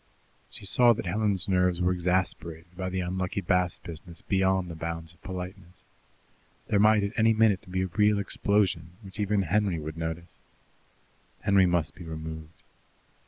She saw that Helen's nerves were exasperated by the unlucky Bast business beyond the bounds of politeness. There might at any minute be a real explosion, which even Henry would notice. Henry must be removed.